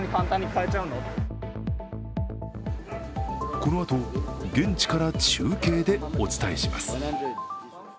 このあと、現地から中継でお伝えします。